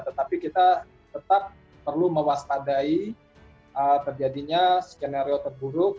tetapi kita tetap perlu mewaspadai terjadinya skenario terburuk